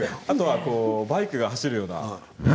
あとはバイクが走るような。